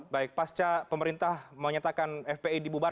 bentuknya seperti apa